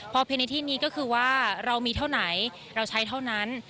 พอเพียงในที่นี้ก็คือว่าเรามีเท่าไหนเราใช้เท่านั้น